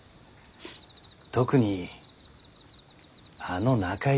特にあの仲居。